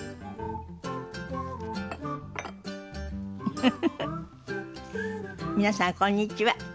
フフフフ皆さんこんにちは。